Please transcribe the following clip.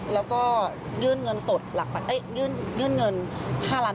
แล้วก็ยื่นเงิน๕ล้านบาทครับ